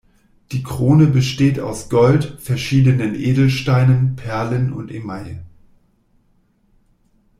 Die Krone besteht aus Gold, verschiedenen Edelsteinen, Perlen und Email.